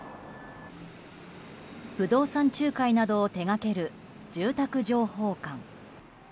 不動産仲介などを手掛ける住宅情報館。